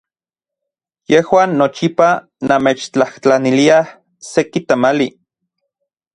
Yejuan nochipa namechtlajtlaniliaj seki tamali.